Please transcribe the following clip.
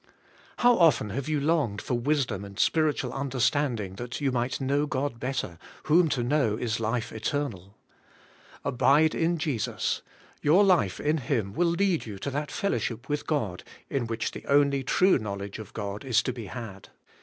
How often have you longed for wisdom and spirit ual understanding that you might hnow God better, whom to know is life eternal! Abide in Jesus: your life in Him will lead you to that fellowship with God in which the only true knowledge of God is to be had.